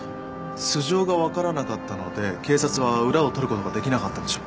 素性が分からなかったので警察は裏を取ることができなかったんでしょう。